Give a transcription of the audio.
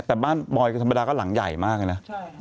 แต่บ้านบอยก็ธรรมดาก็หลังใหญ่มากเลยนะ